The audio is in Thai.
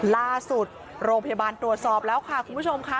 โรงพยาบาลตรวจสอบแล้วค่ะคุณผู้ชมค่ะ